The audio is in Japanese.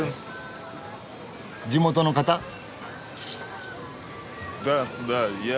地元の方？へ。